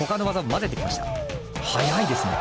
速いですね。